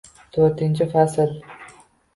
To’rtinchi fasl